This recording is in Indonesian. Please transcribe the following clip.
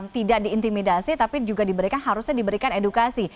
tidak diintimidasi tapi juga diberikan harusnya diberikan edukasi